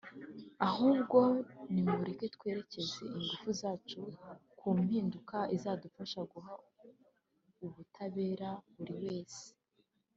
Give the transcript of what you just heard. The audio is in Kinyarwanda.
ahubwo ni mureke twerekeze ingufu zacu ku mpinduka izadufasha guha ubutabera buri wese